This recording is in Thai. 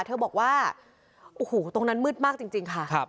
เธอบอกว่าโอ้โหตรงนั้นมืดมากจริงค่ะ